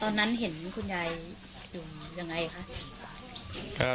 ตอนนั้นเห็นคุณยายอยู่ยังไงคะ